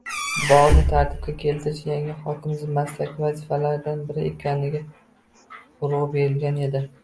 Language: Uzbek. Bogʻni tartibga keltirish yangi hokim zimmasidagi vazifalardan biri ekaniga urgʻu berilgan edi.